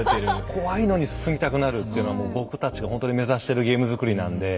怖いのに進みたくなるっていうのはもう僕たちがほんとに目指してるゲーム作りなんで。